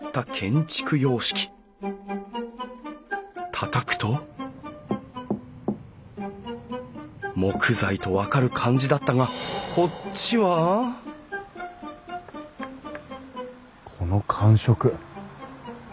たたくと木材と分かる感じだったがこっちはこの感触擬